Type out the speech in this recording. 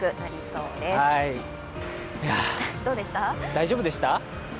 大丈夫でした？